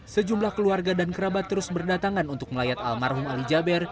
sejumlah keluarga dan kerabat terus berdatangan untuk melayat almarhum ali jaber